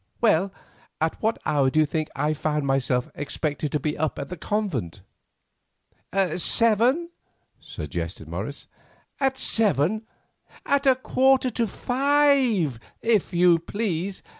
Well, at what hour do you think I found myself expected to be up in that convent?" "Seven," suggested Morris. "At seven! At a quarter to five, if you please!